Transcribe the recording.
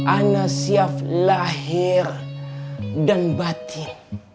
anda siap lahir dan batin